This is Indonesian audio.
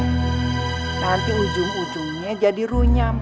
nanti ujung ujungnya jadi runyam